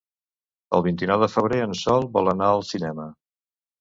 El vint-i-nou de febrer en Sol vol anar al cinema.